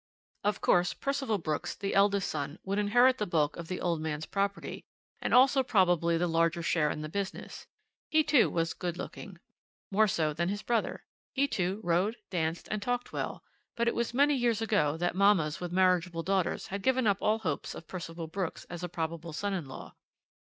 "Of course, Percival Brooks, the eldest son, would inherit the bulk of the old man's property and also probably the larger share in the business; he, too, was good looking, more so than his brother; he, too, rode, danced, and talked well, but it was many years ago that mammas with marriageable daughters had given up all hopes of Percival Brooks as a probable son in law.